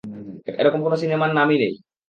এরকম কোনো সিনেমার নামই নেই!